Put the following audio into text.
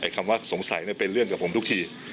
คำว่าสงสัยเป็นเรื่องกับผมทุกที